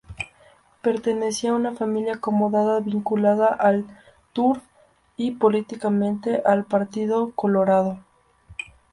Pertenecía a una familia acomodada vinculada al turf y, políticamente, al Partido Colorado.